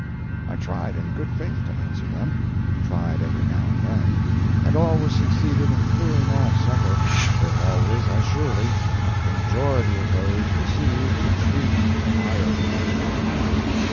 I tried in good faith to answer them—tried every now and then, and always succeeded in clearing off several, but always as surely left the majority of those received each week to lie over till the next.